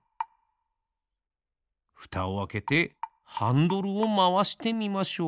ふたをあけてハンドルをまわしてみましょう。